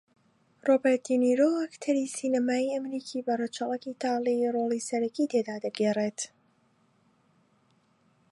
رۆبێرت دێنیرۆ ئەکتەری سینەمایی ئەمریکی بە رەچەڵەک ئیتاڵی رۆڵی سەرەکی تێدا دەگێڕێت